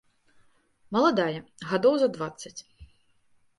Маладая, гадоў за дваццаць.